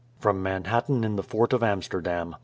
From Manhattan, in the Fort of Amsterdam.